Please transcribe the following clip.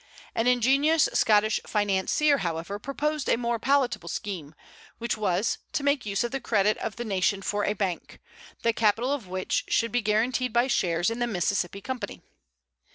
An ingenious Scotch financier, however, proposed a more palatable scheme, which was, to make use of the credit of the nation for a bank, the capital of which should be guaranteed by shares in the Mississippi Company.